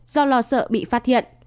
do lo sợ bị phát hiện